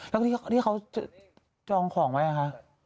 แล้วพี่เค้าจองของไหมค่ะ